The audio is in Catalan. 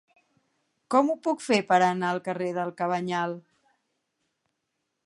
Com ho puc fer per anar al carrer del Cabanyal?